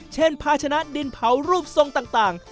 ภาชนะดินเผารูปทรงต่าง